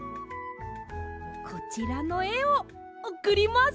こちらのえをおくります。